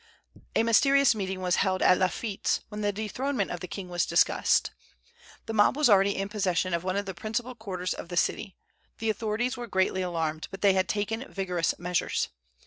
A mysterious meeting was held at Lafitte's, when the dethronement of the king was discussed. The mob was already in possession of one of the principal quarters of the city. The authorities were greatly alarmed, but they had taken vigorous measures.